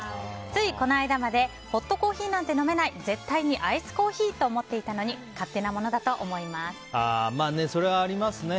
ついこの間までホットコーヒーなんて飲めない絶対にアイスコーヒーと思っていたのにまあ、それはありますね。